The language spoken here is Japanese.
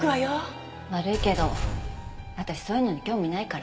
悪いけど私そういうのに興味ないから。